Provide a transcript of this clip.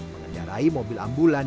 mengendarai mobil ambulan